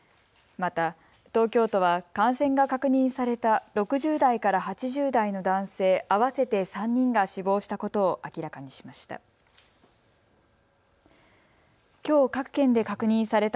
また、東京都は感染が確認された６０代から８０代の男性合わせて３人が死亡したことを明らかにしました。